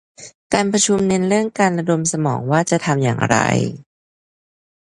การประชุมเน้นเรื่องการระดมสมองว่าจะทำอย่างไร